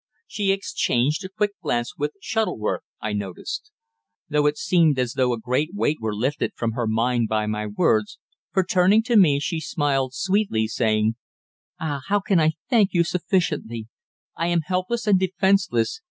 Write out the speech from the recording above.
She exchanged a quick glance with Shuttleworth, I noticed. Then it seemed as though a great weight were lifted from her mind by my words, for, turning to me, she smiled sweetly, saying "Ah! how can I thank you sufficiently? I am helpless and defenceless.